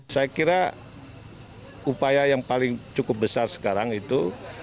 saya kira upaya yang paling cukup besar sekarang itu